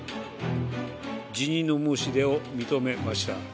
辞任の申し出を認めました。